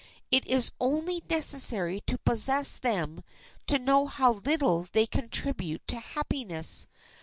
It is only necessary to possess them to know how little they contribute to happiness.